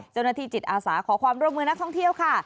เจ้าหน้าที่จิตอาสาขอความร่วมมือนักท่องเที่ยวค่ะ